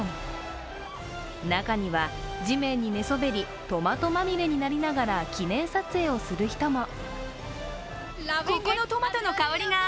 中には地面に寝そべりトマトまみれになりながら記念撮影をする人も。